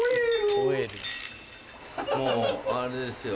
もうあれですよ。